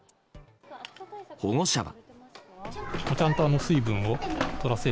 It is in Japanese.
保護者は。